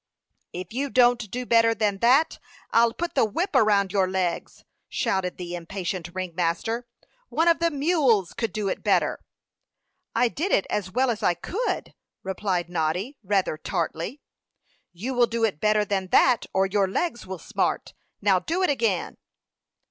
"If you don't do better than that, I'll put the whip around your legs!" shouted the impatient ring master. "One of the mules could do it better." "I did it as well as I could," replied Noddy, rather tartly. "You will do it better than that, or your legs will smart. Now do it again."